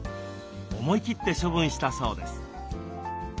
思い切って処分したそうです。